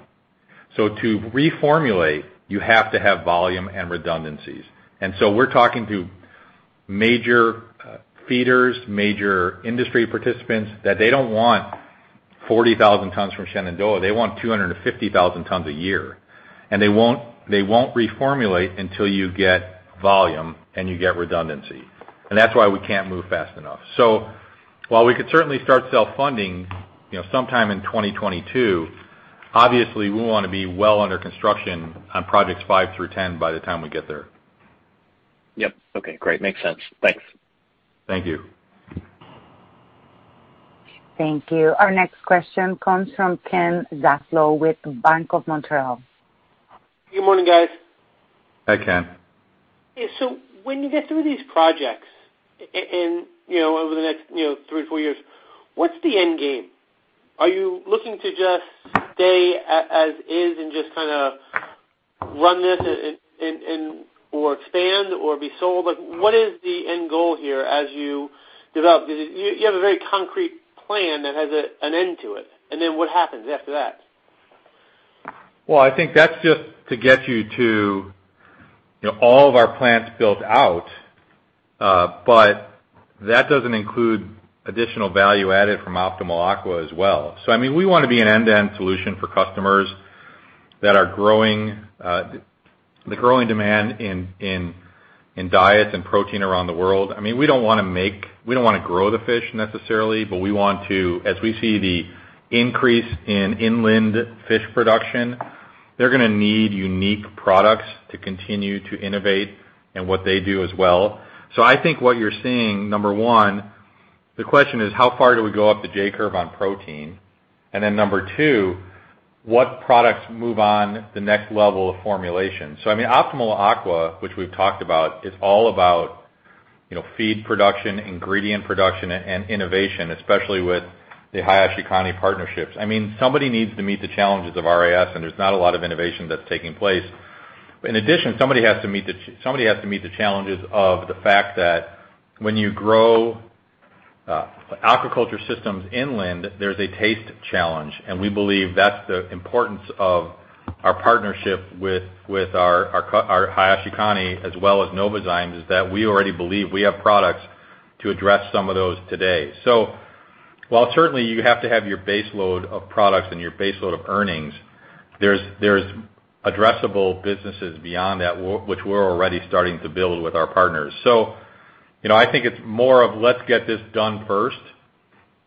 To reformulate, you have to have volume and redundancies. We're talking to major feeders, major industry participants, that they don't want 40,000 t from Shenandoah, they want 250,000 t a year. They won't reformulate until you get volume and you get redundancy. That's why we can't move fast enough. While we could certainly start self-funding sometime in 2022, obviously, we want to be well under construction on projects five through 10 by the time we get there. Yep. Okay, great. Makes sense. Thanks. Thank you. Thank you. Our next question comes from Ken Zaslow with Bank of Montreal. Good morning, guys. Hey, Ken. When you get through these projects over the next three to four years, what's the end game? Are you looking to just stay as is and just run this or expand or be sold? What is the end goal here as you develop? You have a very concrete plan that has an end to it, what happens after that? I think that is just to get you to all of our plants built out. That does not include additional value added from Optimal Aqua as well. We want to be an end-to-end solution for customers that are growing demand in diets and protein around the world. We do not want to grow the fish necessarily, but we want to, as we see the increase in inland fish production, they are going to need unique products to continue to innovate in what they do as well. I think what you are seeing, number one, the question is how far do we go up the J curve on protein? Number two, what products move on the next level of formulation? Optimal Aqua, which we have talked about, is all about feed production, ingredient production, and innovation, especially with the Hayashikane partnerships. Somebody needs to meet the challenges of RAS, and there's not a lot of innovation that's taking place. In addition, somebody has to meet the challenges of the fact that when you grow aquaculture systems inland, there's a taste challenge. We believe that's the importance of our partnership with our Hayashikane as well as Novozymes, is that we already believe we have products to address some of those today. While certainly you have to have your base load of products and your base load of earnings, there's addressable businesses beyond that, which we're already starting to build with our partners. I think it's more of let's get this done first.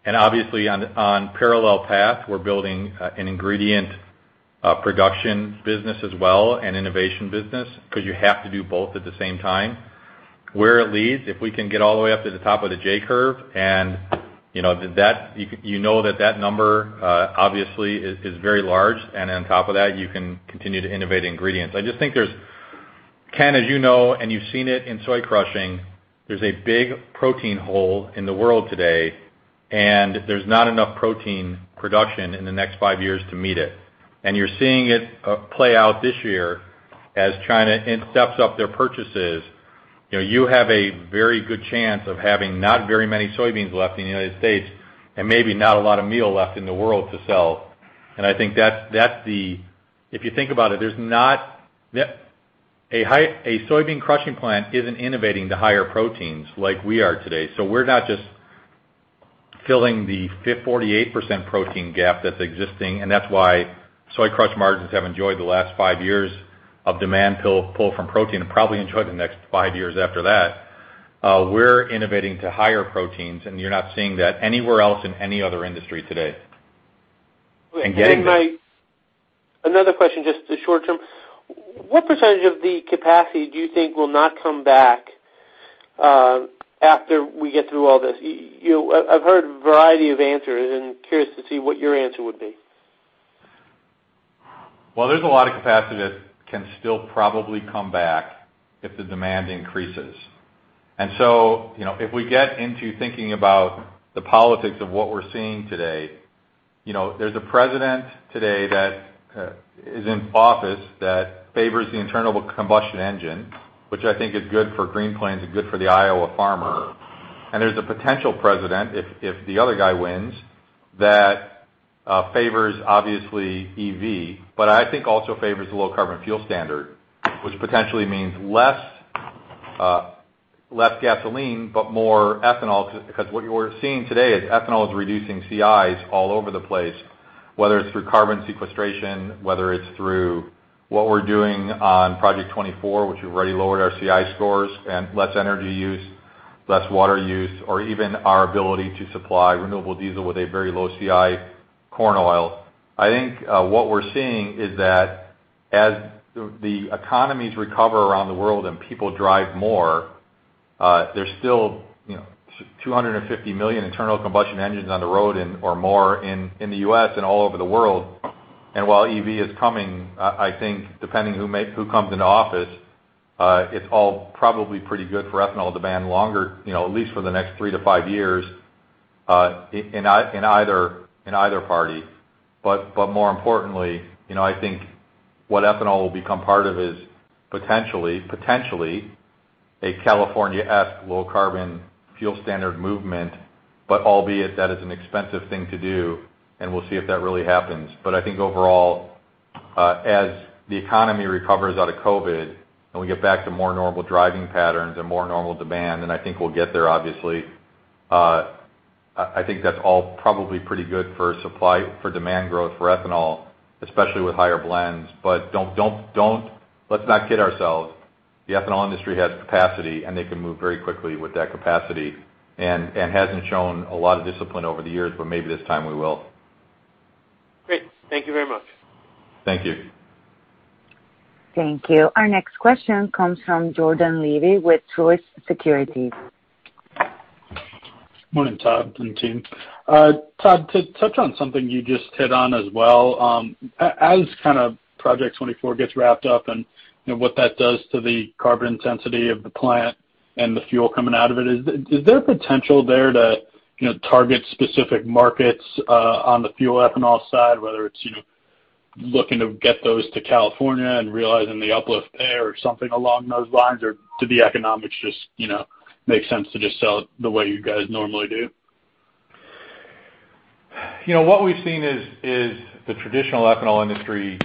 Obviously, on parallel path, we're building an ingredient production business as well, and innovation business, because you have to do both at the same time. Where it leads, if we can get all the way up to the top of the J-curve, and you know that that number obviously is very large, and on top of that, you can continue to innovate ingredients. I just think Ken, as you know, and you've seen it in soy crushing, there's a big protein hole in the world today, and there's not enough protein production in the next five years to meet it. You're seeing it play out this year as China steps up their purchases. You have a very good chance of having not very many soybeans left in the U.S., and maybe not a lot of meal left in the world to sell. I think if you think about it, a soybean crushing plant isn't innovating to higher proteins like we are today. We're not just filling the 48% protein gap that's existing, and that's why soy crush margins have enjoyed the last five years of demand pull from protein, and probably enjoy the next five years after that. We're innovating to higher proteins, and you're not seeing that anywhere else in any other industry today. Another question, just the short term. What percentage of the capacity do you think will not come back after we get through all this? I've heard a variety of answers, and curious to see what your answer would be. There's a lot of capacity that can still probably come back if the demand increases. If we get into thinking about the politics of what we're seeing today, there's a president today that is in office that favors the internal combustion engine, which I think is good for Green Plains and good for the Iowa farmer. There's a potential president, if the other guy wins, that favors, obviously EV, but I think also favors the low carbon fuel standard, which potentially means less gasoline, but more ethanol, because what we're seeing today is ethanol is reducing CIs all over the place, whether it's through carbon sequestration, whether it's through what we're doing on Project 24, which we've already lowered our CI scores and less energy use, less water use, or even our ability to supply renewable diesel with a very low CI corn oil. I think what we're seeing is that as the economies recover around the world and people drive more, there's still 250 million internal combustion engines on the road or more in the U.S. and all over the world. While EV is coming, I think depending who comes into office, it's all probably pretty good for ethanol demand longer, at least for the next three to five years, in either party. More importantly, I think what ethanol will become part of is potentially a California-esque low carbon fuel standard movement, but albeit that is an expensive thing to do, and we'll see if that really happens. I think overall, as the economy recovers out of COVID, and we get back to more normal driving patterns and more normal demand, and I think we'll get there obviously. I think that's all probably pretty good for demand growth for ethanol, especially with higher blends. Let's not kid ourselves, the ethanol industry has capacity, and they can move very quickly with that capacity and hasn't shown a lot of discipline over the years, but maybe this time we will. Great. Thank you very much. Thank you. Thank you. Our next question comes from Jordan Levy with Truist Securities. Morning, Todd and team. Todd, to touch on something you just hit on as well. As Project 24 gets wrapped up and what that does to the carbon intensity of the plant and the fuel coming out of it, is there potential there to target specific markets on the fuel ethanol side, whether it's looking to get those to California and realizing the uplift there or something along those lines or do the economics just make sense to just sell it the way you guys normally do? What we've seen is the traditional ethanol industry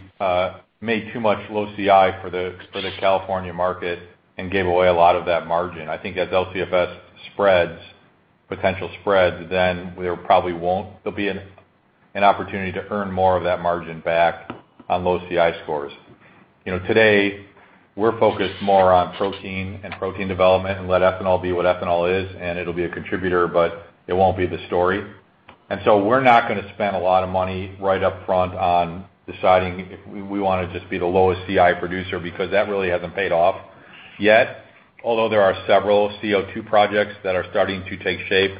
made too much low CI for the California market and gave away a lot of that margin. I think as LCFS spreads, potential spreads, then there probably there'll be an opportunity to earn more of that margin back on low CI scores. Today, we're focused more on protein and protein development, and let ethanol be what ethanol is, and it'll be a contributor, but it won't be the story. We're not going to spend a lot of money right up front on deciding if we want to just be the lowest CI producer because that really hasn't paid off yet. Although there are several CO2 projects that are starting to take shape.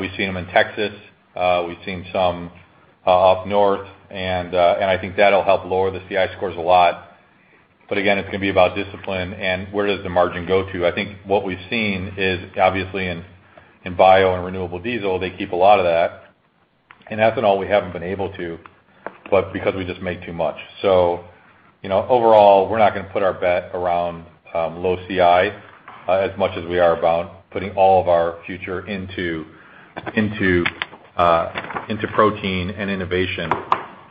We've seen them in Texas. We've seen some up north, and I think that'll help lower the CI scores a lot. Again, it's going to be about discipline and where does the margin go to. I think what we've seen is obviously in bio and renewable diesel, they keep a lot of that. In ethanol, we haven't been able to, but because we just make too much. Overall, we're not going to put our bet around low CI, as much as we are about putting all of our future into protein and innovation.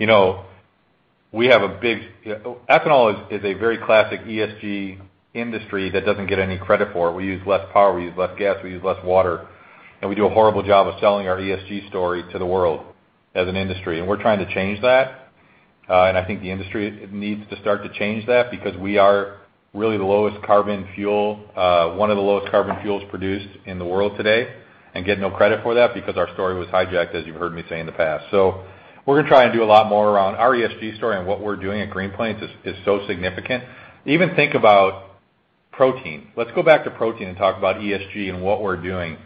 Ethanol is a very classic ESG industry that doesn't get any credit for it. We use less power, we use less gas, we use less water, and we do a horrible job of selling our ESG story to the world as an industry, and we're trying to change that. I think the industry needs to start to change that because we are really one of the lowest carbon fuels produced in the world today and get no credit for that because our story was hijacked, as you've heard me say in the past. We're going to try and do a lot more around our ESG story, and what we're doing at Green Plains is so significant. Even think about protein. Let's go back to protein and talk about ESG and what we're doing.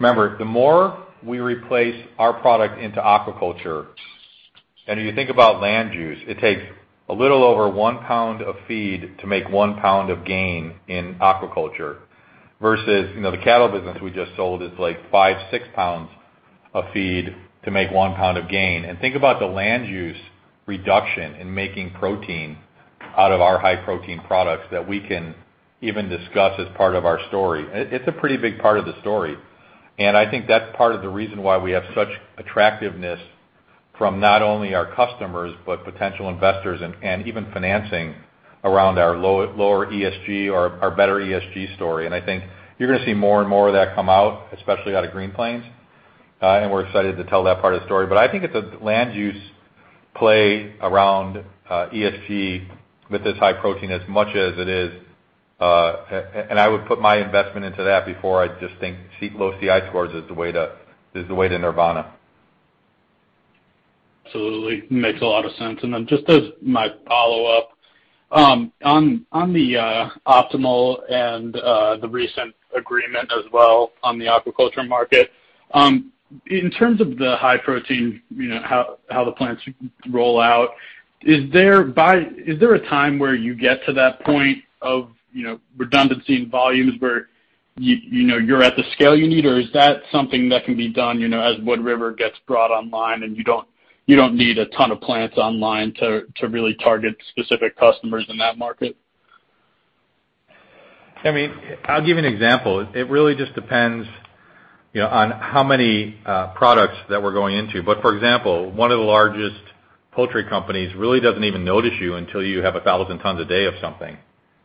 The more we replace our product into aquaculture, if you think about land use, it takes a little over one pound of feed to make one pound of gain in aquaculture versus the cattle business we just sold is 5-6 pounds of feed to make one pound of gain. Think about the land use reduction in making protein out of our high-protein products that we can even discuss as part of our story. It's a pretty big part of the story, I think that's part of the reason why we have such attractiveness from not only our customers but potential investors and even financing around our lower ESG or our better ESG story. I think you're going to see more and more of that come out, especially out of Green Plains. We're excited to tell that part of the story. I think it's a land use play around ESG with this high protein. I would put my investment into that before I just think low CI scores is the way to nirvana. Absolutely. Makes a lot of sense. Then just as my follow-up, on the Optimal and the recent agreement as well on the aquaculture market, in terms of the high protein, how the plants roll out, is there a time where you get to that point of redundancy in volumes where you're at the scale you need, or is that something that can be done as Wood River gets brought online and you don't need a ton of plants online to really target specific customers in that market? I'll give you an example. It really just depends on how many products that we're going into. For example, one of the largest poultry companies really doesn't even notice you until you have 1,000 t a day of something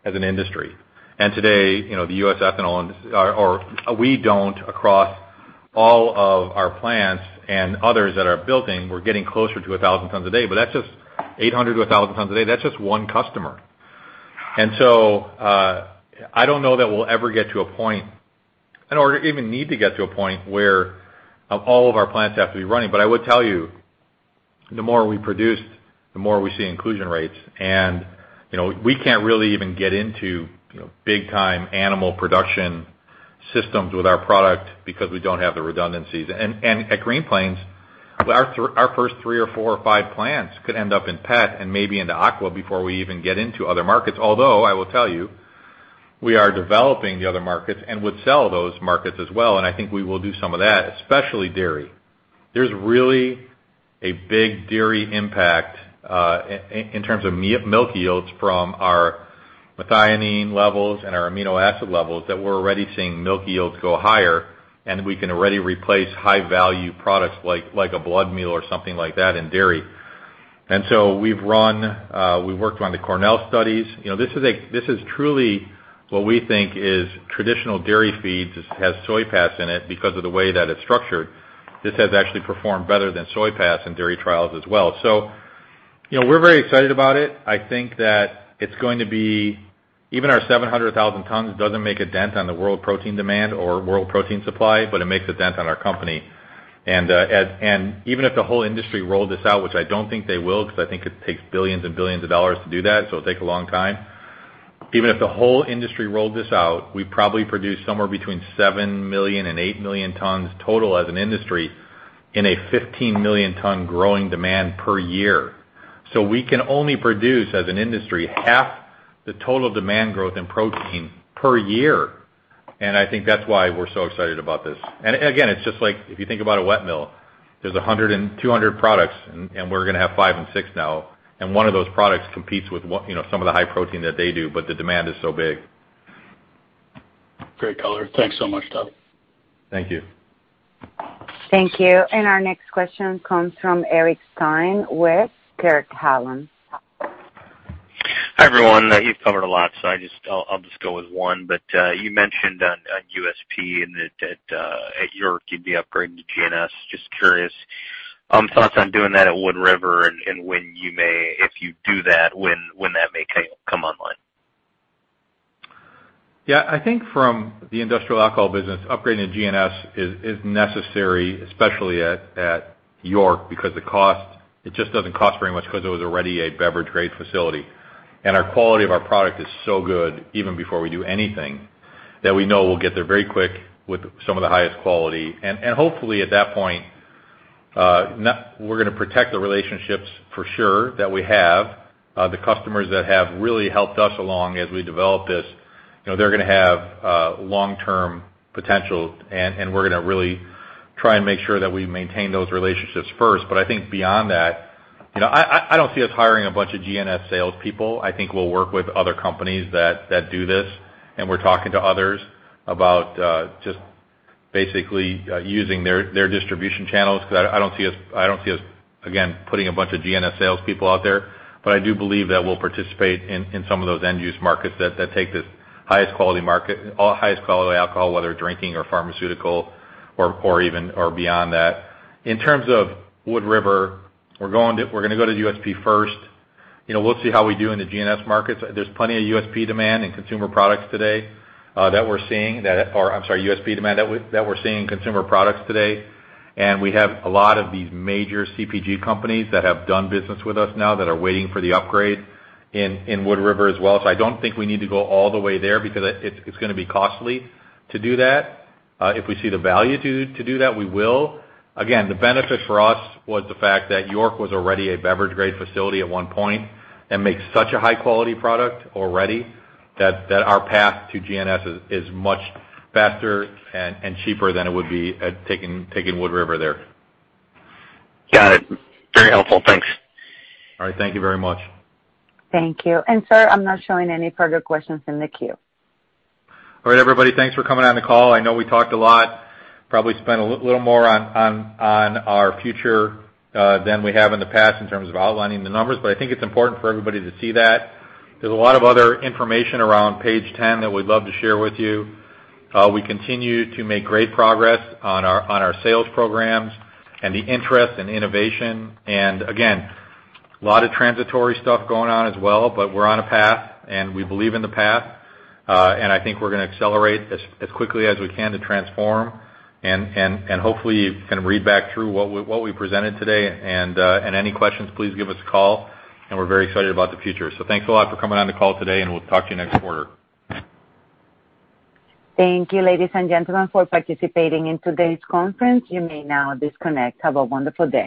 as an industry. Today, we don't across all of our plants and others that are building, we're getting closer to 1,000 t a day, but that's just 800 t-1,000 t a day. That's just one customer. I don't know that we'll ever get to a point or even need to get to a point where all of our plants have to be running. I would tell you, the more we produce, the more we see inclusion rates. We can't really even get into big time animal production systems with our product because we don't have the redundancies. At Green Plains, our first three or four or five plants could end up in pet and maybe into aqua before we even get into other markets. Although I will tell you, we are developing the other markets and would sell those markets as well, and I think we will do some of that, especially dairy. There's really a big dairy impact in terms of milk yields from our methionine levels and our amino acid levels that we're already seeing milk yields go higher, and we can already replace high-value products like a blood meal or something like that in dairy. We worked on the Cornell studies. This is truly what we think is traditional dairy feeds, has SoyPass in it because of the way that it's structured. This has actually performed better than SoyPass in dairy trials as well. We're very excited about it. Even our 700,000 t doesn't make a dent on the world protein demand or world protein supply, but it makes a dent on our company. Even if the whole industry rolled this out, which I don't think they will because I think it takes $ billions and $ billions to do that, so it takes a long time. Even if the whole industry rolled this out, we probably produce somewhere between 7 million ton and 8 million tons total as an industry in a 15-million-ton growing demand per year. I think that's why we're so excited about this. Again, it's just like if you think about a wet mill, there's 100 and 200 products, and we're going to have five and six now, and one of those products competes with some of the high protein that they do, but the demand is so big. Great color. Thanks so much, Todd. Thank you. Thank you. Our next question comes from Eric Stine with Craig-Hallum. Hi, everyone. You've covered a lot, so I'll just go with one. You mentioned on USP and that at York you'd be upgrading to GNS. Just curious, thoughts on doing that at Wood River and when you may, if you do that, when that may come online? Yeah. I think from the industrial alcohol business, upgrading to GNS is necessary, especially at York, because it just doesn't cost very much because it was already a beverage-grade facility. Our quality of our product is so good even before we do anything, that we know we'll get there very quick with some of the highest quality. Hopefully, at that point, we're going to protect the relationships for sure that we have. The customers that have really helped us along as we develop this, they're going to have long-term potential, and we're going to really try and make sure that we maintain those relationships first. I think beyond that, I don't see us hiring a bunch of GNS salespeople. I think we'll work with other companies that do this, and we're talking to others about just basically using their distribution channels because I don't see us, again, putting a bunch of GNS salespeople out there. But I do believe that we'll participate in some of those end-use markets that take this highest quality market or highest quality alcohol, whether drinking or pharmaceutical or beyond that. In terms of Wood River, we're going to go to USP first. We'll see how we do in the GNS markets. There's plenty of USP demand in consumer products today Or I'm sorry, USP demand that we're seeing in consumer products today. We have a lot of these major CPG companies that have done business with us now that are waiting for the upgrade in Wood River as well. I don't think we need to go all the way there because it's going to be costly to do that. If we see the value to do that, we will. Again, the benefit for us was the fact that York was already a beverage-grade facility at one point and makes such a high-quality product already that our path to GNS is much faster and cheaper than it would be at taking Wood River there. Got it. Very helpful. Thanks. All right. Thank you very much. Thank you. Sir, I'm not showing any further questions in the queue. All right, everybody, thanks for coming on the call. I know we talked a lot, probably spent a little more on our future than we have in the past in terms of outlining the numbers, but I think it's important for everybody to see that. There's a lot of other information around page 10 that we'd love to share with you. We continue to make great progress on our sales programs and the interest and innovation. Again, a lot of transitory stuff going on as well, but we're on a path, and we believe in the path. I think we're going to accelerate as quickly as we can to transform and hopefully you can read back through what we presented today. Any questions, please give us a call, and we're very excited about the future. Thanks a lot for coming on the call today, and we'll talk to you next quarter. Thank you, ladies and gentlemen, for participating in today's conference. You may now disconnect. Have a wonderful day.